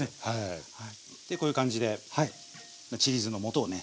でこういう感じでちり酢のもとをね